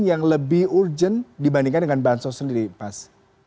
yang lebih urgent dibandingkan dengan bahan sosial sendiri pas